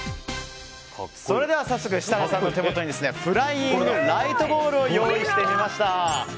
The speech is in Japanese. それでは早速設楽さんの手元にフライングライトボールを用意してみました。